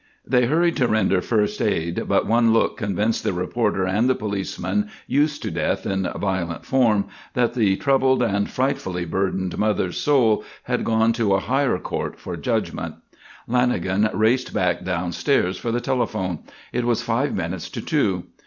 They hurried to render first aid, but one look convinced the reporter and the policeman, used to deaths in violent form, that the troubled and frightfully burdened mother's soul had gone to a higher court for judgment. Lanagan raced back downstairs for the telephone. It was five minutes to two.